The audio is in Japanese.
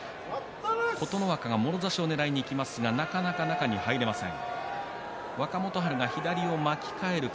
琴ノ若がもろ差しをねらいにいきますがなかなか中に入れません。